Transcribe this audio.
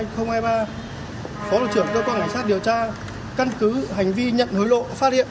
cơ quan cảnh sát điều tra phó lộ trưởng cơ quan cảnh sát điều tra căn cứ hành vi nhận hối lộ phát hiện